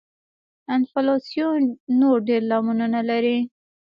انفلاسیون نور ډېر لاملونه لري.